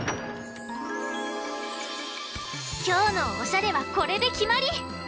きょうのおしゃれはこれできまり！